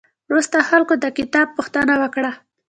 وروسته خلکو د کتاب پوښتنه وکړه.